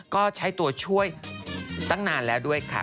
ก็ใช้ตัวช่วยตั้งนานแล้วด้วยค่ะ